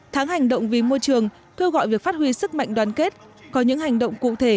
tháng hành động vì môi trường kêu gọi việc phát huy sức mạnh đoàn kết có những hành động cụ thể